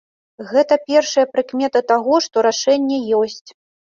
Гэта першая прыкмета таго, што рашэнне ёсць.